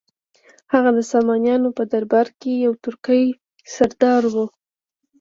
هغه د سامانیانو په درباره کې یو ترکي سردار و.